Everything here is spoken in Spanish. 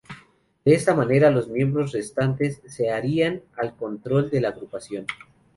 De esta manera, los miembros restantes se harían al control de la agrupación.